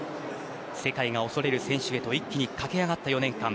世界が恐れる選手へと一気に駆け上がった４年間。